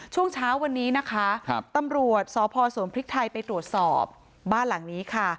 ช่วงเช้าวันนี้นะคะตำรวจสพสวนพริกไทยไปตรวจสอบบ้านหลังนี้ค่ะ